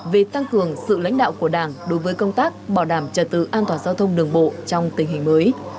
về tăng cường sự lãnh đạo của đảng đối với công tác bảo đảm trật tự an toàn giao thông đường bộ trong tình hình mới